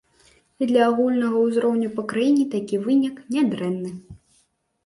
І для агульнага ўзроўню па краіне такі вынік нядрэнны!